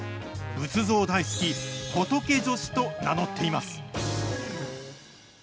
仏像大好き、ホトケ女子と名乗っています。